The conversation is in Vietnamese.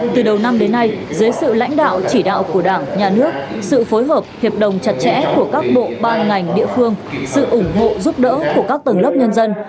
từ đầu năm đến nay dưới sự lãnh đạo chỉ đạo của đảng nhà nước sự phối hợp hiệp đồng chặt chẽ của các bộ ban ngành địa phương sự ủng hộ giúp đỡ của các tầng lớp nhân dân